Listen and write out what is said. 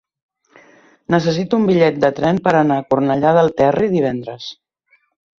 Necessito un bitllet de tren per anar a Cornellà del Terri divendres.